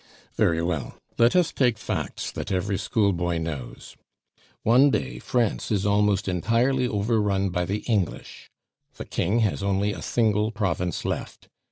"Very well, let us take facts that every schoolboy knows. One day France is almost entirely overrun by the English; the King has only a single province left.